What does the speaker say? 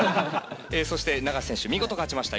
そして永瀬選手見事勝ちました。